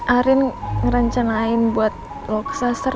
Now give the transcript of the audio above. arin ngerencanain buat lo kesasar